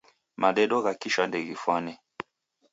Madedo gha kisha ndeghifwane.